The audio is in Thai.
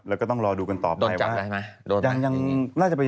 แล้วก็ต้องรอดูกันต่อไปโดนจับได้ไหมโดนยังยังน่าจะไป